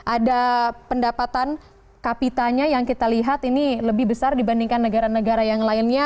ada pendapatan kapitanya yang kita lihat ini lebih besar dibandingkan negara negara yang lainnya